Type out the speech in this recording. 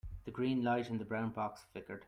The green light in the brown box flickered.